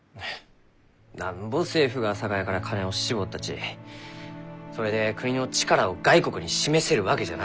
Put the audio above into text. なんぼ政府が酒屋から金を搾ったちそれで国の力を外国に示せるわけじゃない。